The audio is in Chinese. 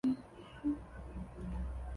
佛理碘泡虫为碘泡科碘泡虫属的动物。